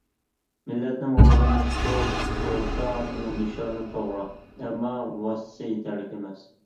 مىللەتنىڭ روھىنى تۇتۇپ تۇرۇشتا، ئۇنىڭ نىشانى توغرا، ئەمما ۋاسىتىسى يېتەرلىك ئەمەس.